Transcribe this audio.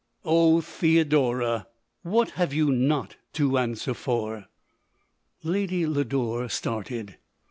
O Theodora, what have you not to answer for !" Lady Lodore started.